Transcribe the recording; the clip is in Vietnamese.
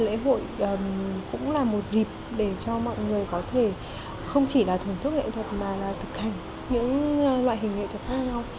lễ hội cũng là một dịp để cho mọi người có thể không chỉ là thưởng thức nghệ thuật mà thực hành những loại hình nghệ thuật khác nhau